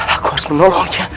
aku harus menolongnya